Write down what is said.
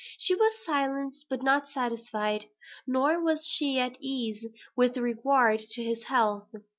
She was silenced, but not satisfied. Nor was she at ease with regard to his health.